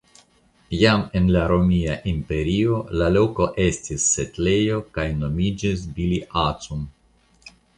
Jam en la romia imperio la loko estis setlejo kaj nomiĝis "Biliacum".